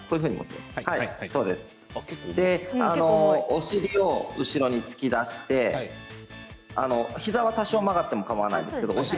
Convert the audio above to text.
お尻を後ろに突き出して膝は多少曲がっても構いません。